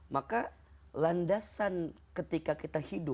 maka landasan ketika kita hidup